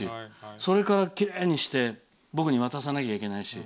それから、きれいにして僕に渡さなきゃいけないし。